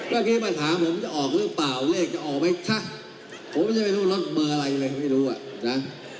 เมื่อกี้มาถามผมจะออกหรือเปล่าเลขจะออกไหมถ้าผมยังไม่รู้รถเบอร์อะไรเลยไม่รู้อ่ะนะ